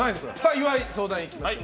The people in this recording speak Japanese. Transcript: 岩井相談員、いきましょう。